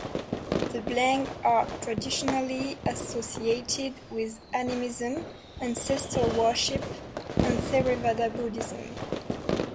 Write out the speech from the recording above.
The Blang are traditionally associated with animism, ancestor worship, and Theravada Buddhism.